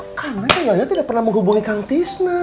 karena ya ya tidak pernah menghubungi kan tisna